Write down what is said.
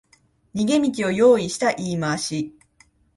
逃げ道を用意した言い回し